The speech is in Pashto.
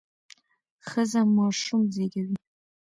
ښځه ماشوم زیږوي.